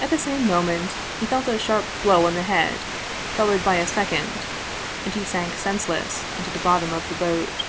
At the same moment he felt a sharp blow on the head, followed by a second, and he sank senseless in the bottom of the boat.